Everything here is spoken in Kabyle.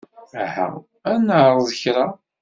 Aha ad neɛreḍ kra.